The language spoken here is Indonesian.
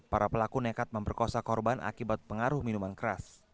para pelaku nekat memperkosa korban akibat pengaruh minuman keras